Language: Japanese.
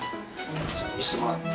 見せてもらって？